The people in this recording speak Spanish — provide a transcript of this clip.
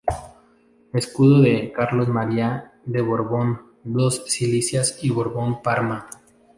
Escudo de Carlos María de Borbón-Dos Sicilias y Borbón-Parma.